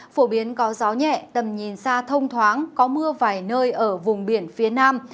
phổ biến có gió nhẹ tầm nhìn xa thông thoáng có mưa vài nơi ở vùng biển phía nam